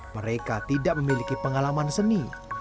mereka tidak memiliki pengalaman seni